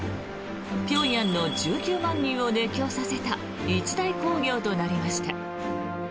平壌の１９万人を熱狂させた一大興行となりました。